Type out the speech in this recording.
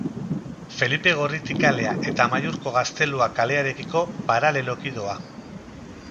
Felipe Gorriti kalea eta Amaiurko Gaztelua kalearekiko paraleloki doa.